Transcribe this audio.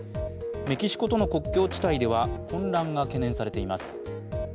メキシコとの国境地帯では混乱が懸念されています。